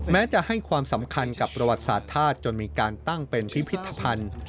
แม้จะให้ความสำคัญกับประวัติศาสตร์ธาตุจนมีการตั้งเป็นพิพิธภัณฑ์